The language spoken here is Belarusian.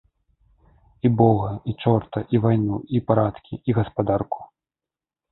І бога, і чорта, і вайну, і парадкі, і гаспадарку.